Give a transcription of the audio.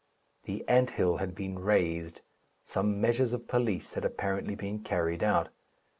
The ant hill had been razed. Some measures of police had apparently been carried out.